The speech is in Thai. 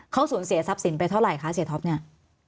เขาส่งเสียทักษิยนไปเท่าไหร่คะเซียท็อปเนี้ย